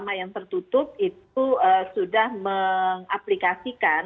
mungkin anak omozhhhh itu pun paling baik leverasional